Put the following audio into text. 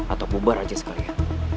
atau bubar aja sekalian